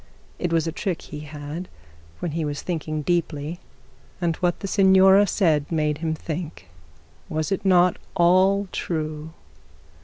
It was a trick he had when he was thinking deeply; and what the signora said made him think. Was it not all true?